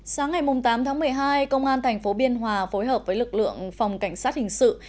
sáng ngày tám tháng một mươi hai công an tp biên hòa phối hợp với lực lượng phòng cảnh sát hình sự